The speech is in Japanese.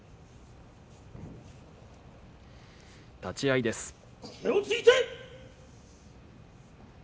立ち合いです。